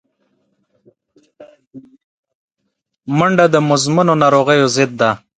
منډه د مزمنو ناروغیو ضد ده